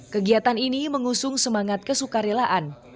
kegiatan ini mengusung semangat kesuka relaan